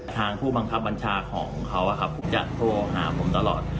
ผู้บังคับบัญชาของเขาจะโทรหาผมตลอด